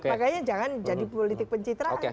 makanya jangan jadi politik pencitraan